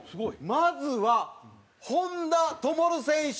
まずは本多灯選手。